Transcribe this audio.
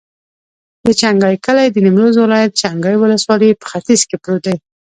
د چنګای کلی د نیمروز ولایت، چنګای ولسوالي په ختیځ کې پروت دی.